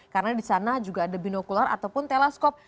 karena di sana juga ada binokular ataupun teleskop